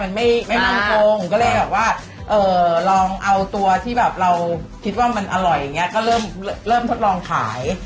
และมันไม่มั่งโครงจะลองเอาไฟแกรงท็อตอร่อยแล้วมาทดลองขาย